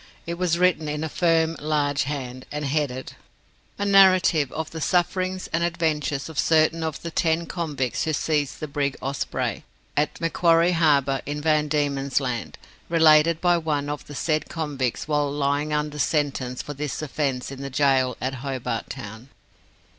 It was written in a firm, large hand, and headed "A NARRATIVE OF THE SUFFERINGS AND ADVENTURES OF CERTAIN OF THE TEN CONVICTS WHO SEIZED THE BRIG OSPREY, AT MACQUARIE HARBOUR, IN VAN DIEMEN'S LAND, RELATED BY ONE OF THE SAID CONVICTS WHILE LYING UNDER SENTENCE FOR THIS OFFENCE IN THE GAOL AT HOBART TOWN."